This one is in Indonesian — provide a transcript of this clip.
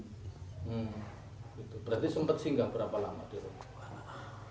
berarti sempat singgah berapa lama di rumah